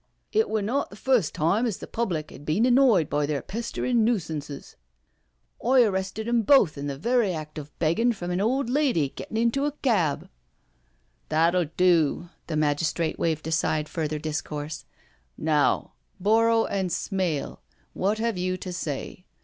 " It were not the first time as the public 'ad been annoyed by their pesterin' noosance. I arrested 'em BEFORE THE MAGISTRATE 93 both in the very act of beggin' from an old lady gettin' into a cab. ..."" That'll do/* the magistrate waved aside further dbcourse. " Now, Borrow and Smale, what have you to say?